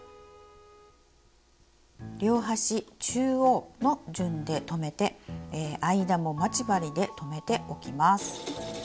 両端中央の順で留めて間も待ち針で留めておきます。